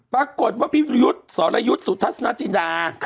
ปรากฏว่าพี่ประยุทธ์สรยุทธ์สุทัศนาจินดา